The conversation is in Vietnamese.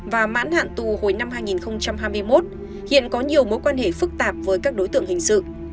và mãn hạn tù hồi năm hai nghìn hai mươi một hiện có nhiều mối quan hệ phức tạp với các đối tượng hình sự